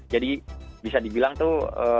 jadi bisa dibilang tuh